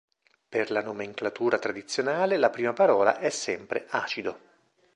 Per la nomenclatura tradizionale, la prima parola è sempre "acido".